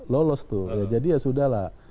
lolos tuh ya jadi ya sudah lah